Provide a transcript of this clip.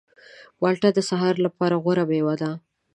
مالټه د سهار لپاره غوره مېوه ده.